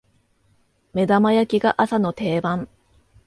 目玉焼きが朝の定番